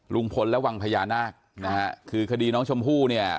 ลุงพลและวังพญานาคนะฮะคือคดีน้องชมพู่เนี่ย